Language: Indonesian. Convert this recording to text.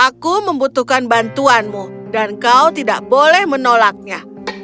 aku membutuhkan bantuanmu dan kau tidak boleh menolaknya